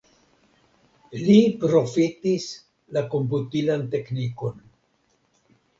Li profitis la komputilan teknikon.